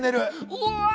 うわ！